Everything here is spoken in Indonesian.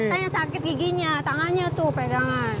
saya sakit giginya tangannya tuh pegangan